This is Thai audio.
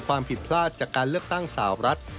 ความผิดพลาดจากการเลือกตั้งสาวรัฐ